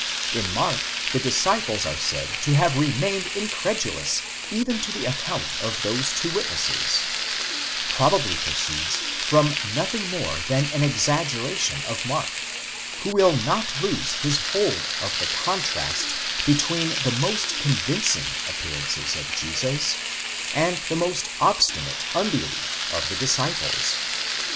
in Mark the disciples are said to have remained incredulous even to the account of those two witnesses, probably proceeds from nothing more than an exaggeration of Mark, who will not lose his hold of the contrast between the most convincing appearances of Jesus and the obstinate unbelief of the disciples.